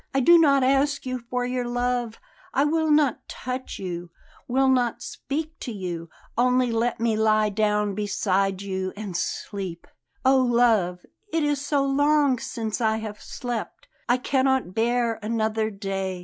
I do not ask you for your love; I will not touch you, will not speak to you; only let me lie down beside you and sleep! Oh, love, it is so long since I have slept! I cannot bear another day.